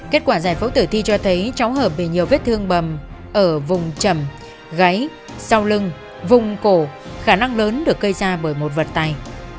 kết quả giải phẫu tử thi cho thấy cháu hợp bị nhiều vết thương bầm ở vùng chầm gáy sau lưng vùng cổ khả năng lớn được gây ra bởi một vật tay